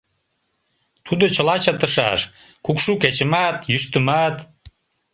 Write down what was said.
Тудо чыла чытышаш: кукшу кечымат, йӱштымат.